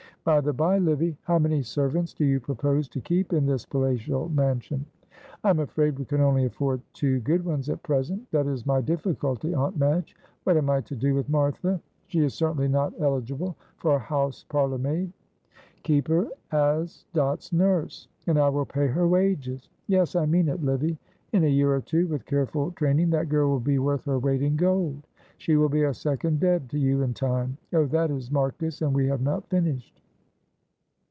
By the bye, Livy, how many servants do you propose to keep in this palatial mansion?" "I am afraid we can only afford two good ones at present. That is my difficulty, Aunt Madge. What am I to do with Martha? She is certainly not eligible for a house parlourmaid." "Keep her as Dot's nurse, and I will pay her wages. Yes, I mean it, Livy. In a year or two with careful training that girl will be worth her weight in gold. She will be a second Deb to you in time. Oh, that is Marcus, and we have not finished."